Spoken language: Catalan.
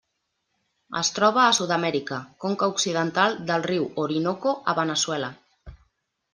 Es troba a Sud-amèrica: conca occidental del riu Orinoco a Veneçuela.